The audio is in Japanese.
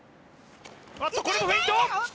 あっとこれもフェイント！